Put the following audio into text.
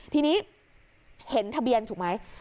ทีนี้เห็นทะเบียนถูกไหม